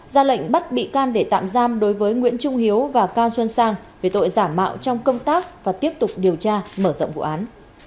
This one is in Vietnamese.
ra lệnh bắt bị can để tạm giam đối với nguyễn trung hiếu và cao xuân sang về tội giả mạo trong công tác và tiếp tục điều tra mở rộng vụ án